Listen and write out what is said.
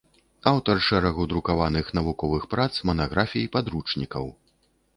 Аўтар шэрагу друкаваных навуковых прац, манаграфій, падручнікаў.